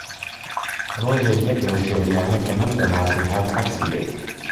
ڕۆژێک یەک لەو شیووعییانە کە نەمدەناسی هات عەکسی گرت